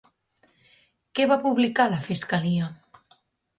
Què va publicar la Fiscalia?